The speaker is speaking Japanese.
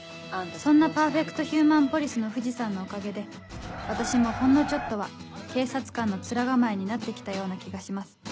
そんなパーフェクト・ヒューマン・ポリスの藤さんのおかげで私もほんのちょっとは警察官の面構えになって来たような気がします